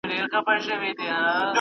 زه به د نوي لغتونو يادونه کړې وي..